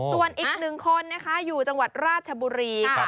ส่วนอีก๑คนอยู่จังหวัดราชบุรี